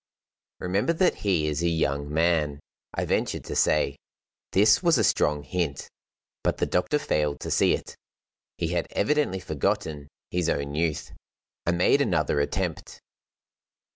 "Remember that he is a young man," I ventured to say. This was a strong hint, but the doctor failed to see it. He had evidently forgotten his own youth. I made another attempt.